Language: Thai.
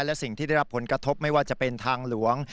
และสิ่งที่ได้รับผลกระทบไม่ว่าจะเป็นทางหลวง